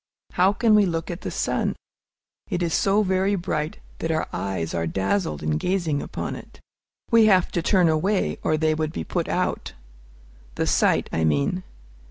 How can we look at the sun? It is so very bright that our eyes are dazzled in gazing upon it. We have to turn away, or they would be put out, the sight, I mean.